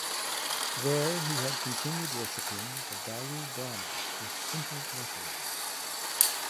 There he had continued worshipping the Daru Brahma with simple offerings.